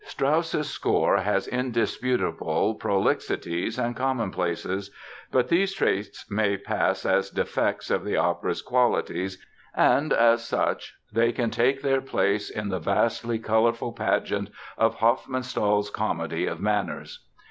Strauss's score has indisputable prolixities and commonplaces. But these traits may pass as defects of the opera's qualities and, as such, they can take their place in the vastly colorful pageant of Hofmannsthal's comedy of manners.